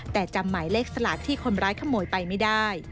แต่จำหมายเลขสลากที่คนร้ายขโมยไปไม่ได้